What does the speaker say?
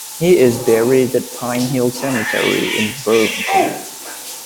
He is buried at Pine Hill Cemetery in Burlington.